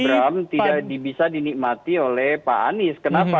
yang itu pak bram tidak bisa dinikmati oleh pak anies kenapa